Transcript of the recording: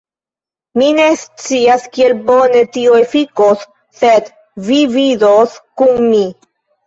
Mi ne scias kiel bone tio efikos sed vi vidos kun mi